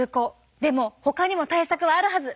でもほかにも対策はあるはず！